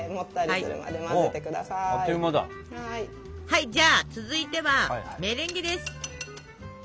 はいじゃあ続いてはメレンゲです。